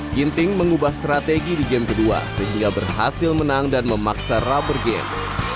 ginting mengubah strategi di game kedua sehingga berhasil menang dan memaksa rubber game